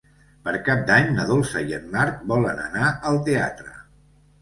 Per Cap d'Any na Dolça i en Marc volen anar al teatre.